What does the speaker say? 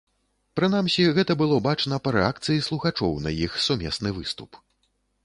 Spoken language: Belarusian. Прынамсі, гэта было бачна па рэакцыі слухачоў на іх сумесны выступ.